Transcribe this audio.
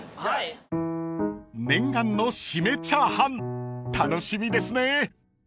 ［念願のシメチャーハン楽しみですね］